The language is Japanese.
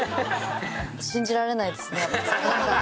信じられないですねやっぱ。